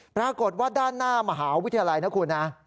ปรากฏว่าด้านหน้ามหาวิทยาลัยนะคุณนะ